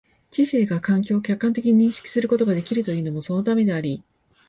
知性が環境を客観的に認識することができるというのもそのためであり、